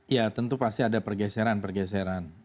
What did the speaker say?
ya tentu pasti ada pergeseran pergeseran